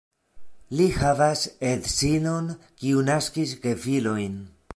Li havas edzinon, kiu naskis gefilojn.